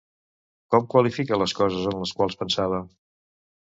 Com qualifica les coses en les quals pensava?